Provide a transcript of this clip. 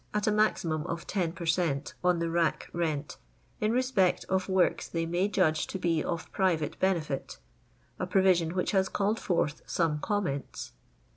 at a maximum of 10 per cent on the rack rent, " in respect of works they may judge to be of private benefit," a provision which has called forth some comments.